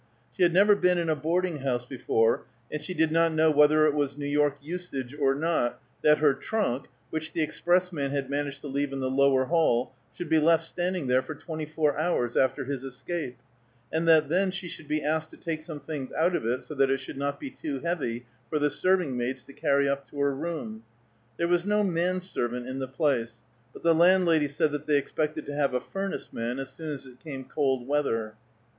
She had never been in a boarding house before, and she did not know whether it was New York usage or not, that her trunk, which the expressman had managed to leave in the lower hall, should be left standing there for twenty four hours after his escape, and that then she should be asked to take some things out of it so that it should not be too heavy for the serving maids to carry up to her room. There was no man servant in the place; but the landlady said that they expected to have a furnace man as soon as it came cold weather.